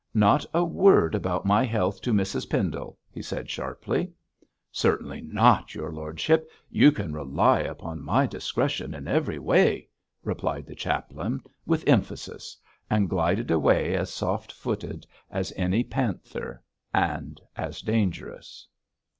'Not a word about my health to Mrs Pendle,' he said sharply. 'Certainly not, your lordship; you can rely upon my discretion in every way,' replied the chaplain, with emphasis, and glided away as soft footed as any panther, and as dangerous.